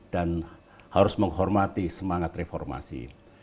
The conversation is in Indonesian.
dan harus menghormati semangat reformasi